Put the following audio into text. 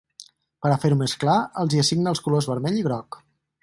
Per a fer-ho més clar, els hi assigna els colors vermell i groc.